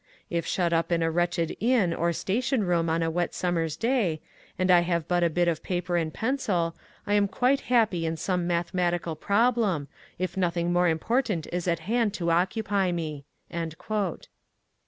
If shut up in a wretched inn or station room on a wet summer's day, and I have but a bit of paper and pencil, I am quite happy in some mathematical problem, if nothing more impor tant is at hand to occupy me."